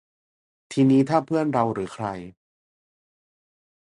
ทีนี้ถ้าเพื่อนเราหรือใคร